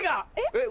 えっ？